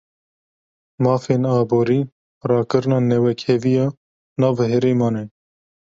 Mafên aborî, rakirina newekheviya nav herêman e